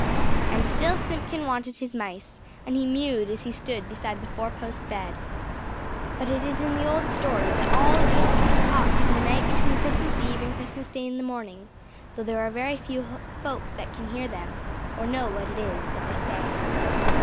And still Simpkin wanted his mice, and he mewed as he stood beside the four post bed. But it is in the old story that all the beasts can talk, in the night between Christmas Eve and Christmas Day in the morning (though there are very few folk that can hear them, or know what it is that they say).